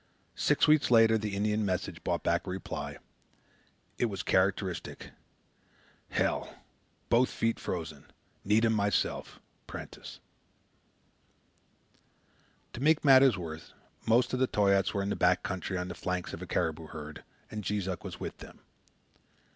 Six weeks later the Indian messenger brought back a reply. It was characteristic: "Hell. Both feet frozen. Need him myself Prentiss." To make matters worse, most of the Toyaats were in the back country on the flanks of a caribou herd, and Jees Uck was with them.